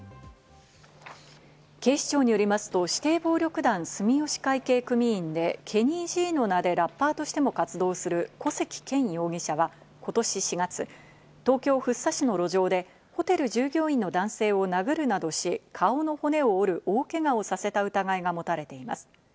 警視庁によりますと、指定暴力団・住吉会系組員でＫＥＮＮＹーＧの名でラッパーとしても活動する古関健容疑者は、今年４月、東京・福生市の路上でホテル従業員の男性を殴るなどし、顔の骨を折る大けがをさせた疑いが持たれています。